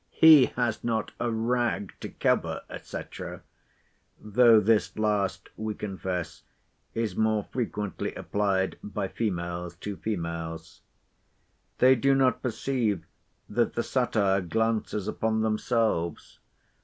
—He has not a rag to cover—&c.; though this last, we confess, is more frequently applied by females to females. They do not perceive that the satire glances upon themselves.